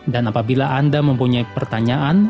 dan apabila anda mempunyai pertanyaan